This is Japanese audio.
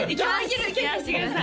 やらせてください